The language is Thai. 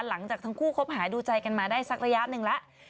หลังจากทั้งคู่คบหาดูใจกันมาได้สักระยะหนึ่งแล้ว